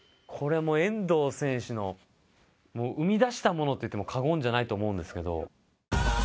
これはもう遠藤選手の生み出したものといっても過言じゃないと思うんですけど。